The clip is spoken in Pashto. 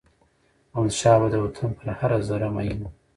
احمدشاه بابا د وطن پر هره ذره میین و.